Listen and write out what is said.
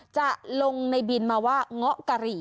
จะลงในบินมาว่าเงาะกะหรี่